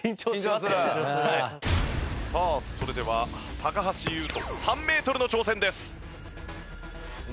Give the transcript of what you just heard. さあそれでは橋優斗３メートルの挑戦です。